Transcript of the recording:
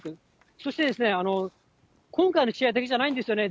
そしてですね、今回の試合だけじゃないんですよね。